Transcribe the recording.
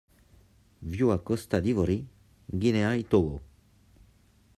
Viu a Costa d'Ivori, Guinea i Togo.